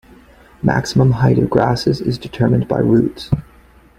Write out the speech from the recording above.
Maximum height of grasses is determined by roots.